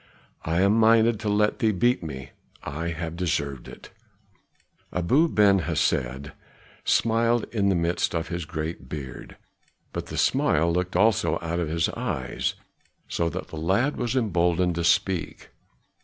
I am minded to let thee beat me. I have deserved it." Abu Ben Hesed smiled in the midst of his great beard, but the smile looked also out of his eyes, so that the lad was emboldened to speak.